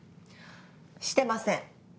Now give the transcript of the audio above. してません。